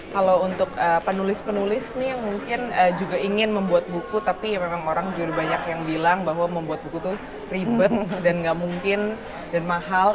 kalau untuk penulis penulis nih yang mungkin juga ingin membuat buku tapi memang orang juga banyak yang bilang bahwa membuat buku tuh ribet dan nggak mungkin dan mahal